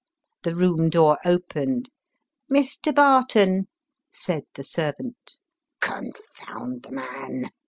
The room door opened " Mr. Barton !" said the servant. " Confound the man